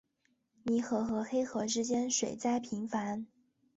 泥河和黑河之间水灾频繁。